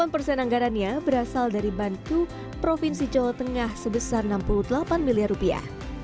delapan persen anggarannya berasal dari bantu provinsi jawa tengah sebesar enam puluh delapan miliar rupiah